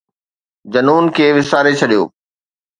جنون کي وساري ڇڏيو